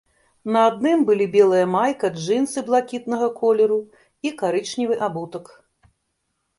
На адным былі белая майка, джынсы блакітнага колеру і карычневы абутак.